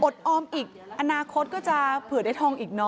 ออมอีกอนาคตก็จะเผื่อได้ทองอีกเนอ